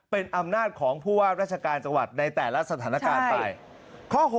เป็นอำนาจของผู้ว่าราชการจังหวัดในแต่ละสถานการณ์ไปข้อ๖